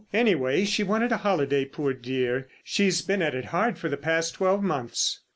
Anyway, she wanted a holiday, poor dear! She's been at it hard for the past twelve months."